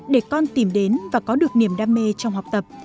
để con tìm đến và có được niềm đam mê trong học tập